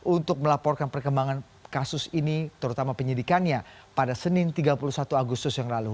untuk melaporkan perkembangan kasus ini terutama penyidikannya pada senin tiga puluh satu agustus yang lalu